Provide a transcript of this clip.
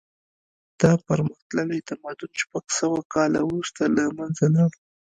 دا پرمختللی تمدن شپږ سوه کاله وروسته له منځه لاړ.